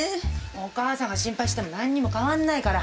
お母さんが心配しても何も変わんないから。